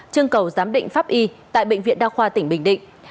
chương cầu giám định pháp y tại bệnh viện đa khoa tỉnh bình định